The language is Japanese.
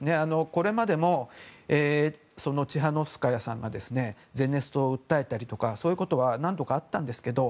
これまでのチハノフスカヤさんがゼネストを訴えたりとかそういうことは何度かあったんですけど